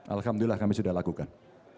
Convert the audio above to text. alhamdulillah kami sudah lakukan